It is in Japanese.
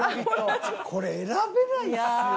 これ選べないですよ。